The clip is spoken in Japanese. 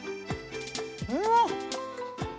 うわっ！